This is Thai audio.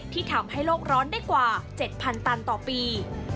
ที่ทำให้โลกร้อนได้กว่า๗๐๐ตันต่อปี